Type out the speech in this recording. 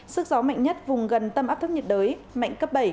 sức gió mạnh nhất vùng gần tâm áp thấp nhiệt đới mạnh cấp bảy